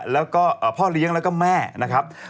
แล้วก็พ่อเลี้ยงแล้วก็แม่นะครับ